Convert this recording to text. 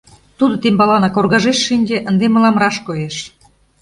Тудо тембаланак оргажеш шинче, ынде мылам раш коеш.